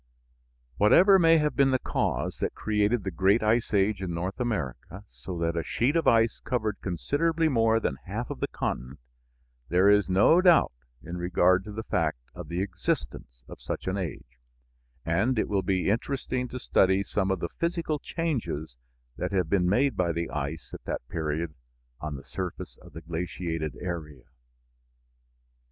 Whatever may have been the cause that created the great ice age in North America, so that a sheet of ice covered considerably more than half of the continent, there is no doubt in regard to the fact of the existence of such an age, and it will be interesting to study some of the physical changes that have been made by the ice at that period on the surface of the glaciated area.